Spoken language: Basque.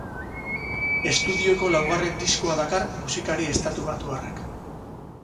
Estudioko laugarren diskoa dakar musikari estatubatuarrak.